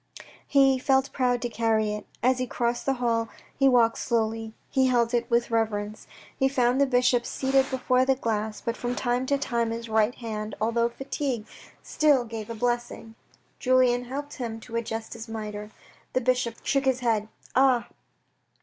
He felt proud to carry it. As he crossed the hall he walked slowly. He held it with reverence. He found the bishop A KING AT VERRIERES in seated before the glass, but from time to time, his right hand, although fatigued, still gave a blessing. Julien helped him to adjust his mitre. The bishop shook his head. " Ah